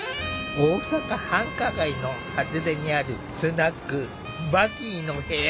大阪繁華街の外れにあるスナック「バギーの部屋」。